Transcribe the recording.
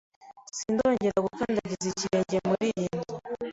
Sinzongera gukandagiza ikirenge muri iyi nzu.